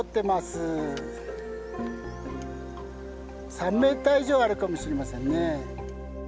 ３ｍ以上あるかもしれませんね。